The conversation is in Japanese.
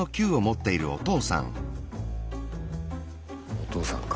お父さんか。